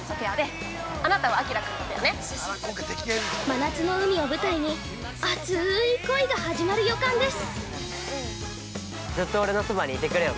真夏の海を舞台にあつい恋が始まる予感です。